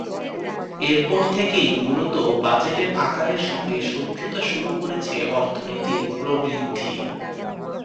এরপর থেকেই মূলত বাজেটের আকারের সঙ্গে শত্রুতা শুরু করেছে অর্থনীতির প্রবৃদ্ধি।